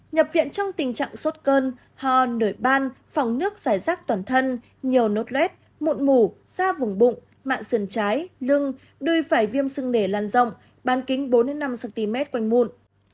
nhập viện trong tình trạng sốt cơn hò nổi ban phòng nước giải rác toàn thân nhiều nốt lết mụn mủ da vùng bụng mạng sườn trái lưng đuôi phải viêm sưng nể lan rộng ban kính bốn năm cm quanh mụn